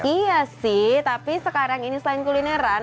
iya sih tapi sekarang ini selain kulineran